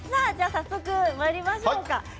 早速まいりましょう。